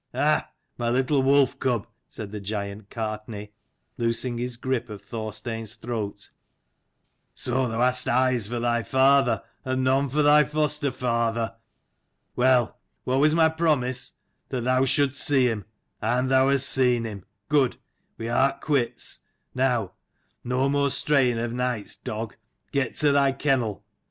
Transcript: "Ha, my little wolf cub," said the giant Gartnaidh, loosing his grip of Thorstein's throat: "so thou hast eyes for thy father, and none for thy foster father. Well, what was my R 129 CHAPTER XXIII. DOMHNAILL promise? That thou shouldst see him: arid thou hast seen him. Good: we art quits. Now no more straying of nights, dog. Get to thy kennel."